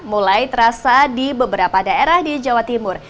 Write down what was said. mulai terasa di beberapa daerah di jawa timur